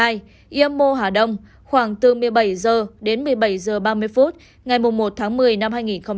hai yêm mô hà đông khoảng từ một mươi bảy h đến một mươi bảy h ba mươi phút ngày một tháng một mươi năm hai nghìn hai mươi một